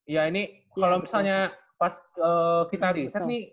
ya ini kalau misalnya pas kita riset nih